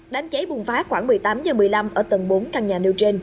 đám cháy bùng phá khoảng một mươi tám h một mươi năm ở tầng bốn